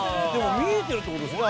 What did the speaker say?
見えてるって事ですね